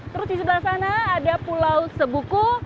terus di sebelah sana ada pulau sebuku